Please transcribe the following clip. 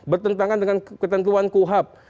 bertentangan dengan ketentuan kuhap